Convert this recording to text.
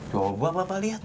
coba bapak liat